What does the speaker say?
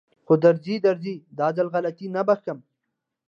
خو درځي درځي دا ځل غلطي نه بښم.